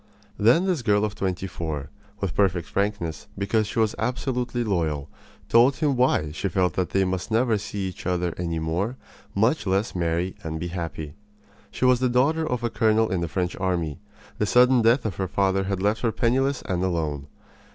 Then this girl of twenty four, with perfect frankness, because she was absolutely loyal, told him why she felt that they must never see each other any more much less marry and be happy. She was the daughter of a colonel in the French army. The sudden death of her father had left her penniless and alone.